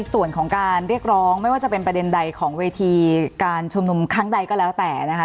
ส่วนของการเรียกร้องไม่ว่าจะเป็นประเด็นใดของเวทีการชุมนุมครั้งใดก็แล้วแต่นะคะ